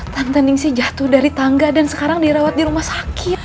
tantening sih jatuh dari tangga dan sekarang dirawat di rumah sakit